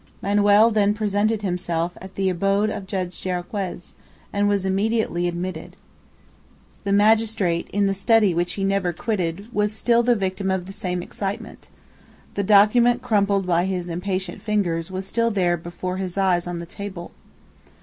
Manoel then presented himself at the abode of Judge Jarriquez, and was immediately admitted. The magistrate, in the study which he never quitted, was still the victim of the same excitement. The document crumpled by his impatient fingers, was still there before his eyes on the table.